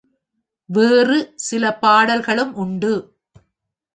வேறு சில பாடல்களும் உண்டு.